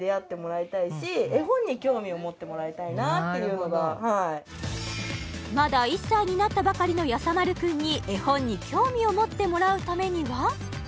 やっぱり親としてはいろんななるほどまだ１歳になったばかりのやさ丸くんに絵本に興味を持ってもらうためには？